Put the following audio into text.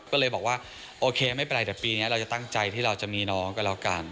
ก็เลยบอกว่าโอเคไม่เป็นไรแต่ปีนี้เราจะตั้งใจที่เราจะมีน้องก็แล้วกัน